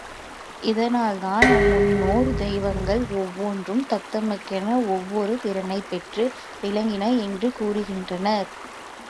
இதனால் தான் அம்முன்னோர் தெய்வங்கள் ஒவ்வொன்றும் தத்தமக்கென ஒவ்வொரு திறனைப் பெற்று விளங்கின என்று கூறுகின்றனர்.